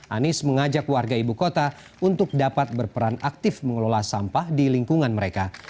anies mengajak warga ibu kota untuk dapat berperan aktif mengelola sampah di lingkungan mereka